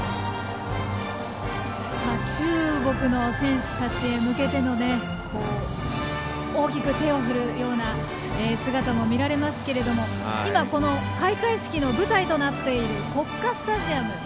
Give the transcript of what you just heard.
中国の選手たちへ向けての大きく手を振るような姿も見られますけれども今、開会式の舞台となっている国家スタジアム。